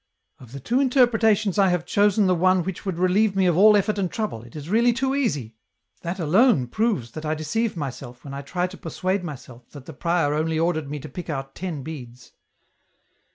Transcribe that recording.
" Of the two interpretations I have chosen the one which would relieve me of all effort and trouble, it is really too easy !— that alone proves that I deceive myself when I try to persuade myself that the prior only ordered me to pick out ten beads